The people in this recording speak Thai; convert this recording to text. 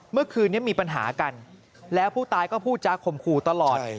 เมื่อคืนนี้มีปัญหากันแล้วผู้ตายก็พูดจากข่มขู่ตลอด